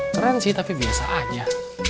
keren sih tapi biasa aja